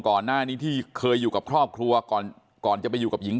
ก่อนหน้านี้ที่เคยอยู่กับครอบครัวก่อนก่อนจะไปอยู่กับหญิง